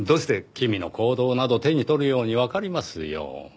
君の行動など手に取るようにわかりますよ。